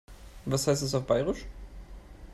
Was heißt das auf Bairisch?